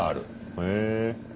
へえ。